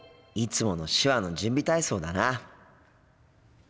いつもの手話の準備体操だな。